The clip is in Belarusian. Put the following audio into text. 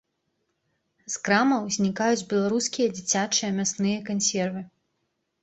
З крамаў знікаюць беларускія дзіцячыя мясныя кансервы.